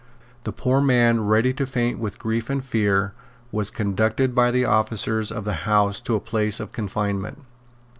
The poor man, ready to faint with grief and fear, was conducted by the officers of the House to a place of confinement.